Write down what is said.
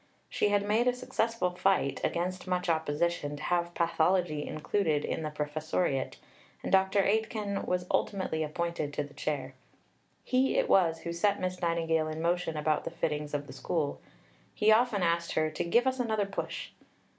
She had made a successful fight, against much opposition, to have pathology included in the professoriate, and Dr. Aitken was ultimately appointed to the chair. He it was who set Miss Nightingale in motion about the fittings of the School. He often asked her to "give us another push."